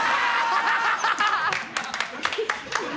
ハハハハ！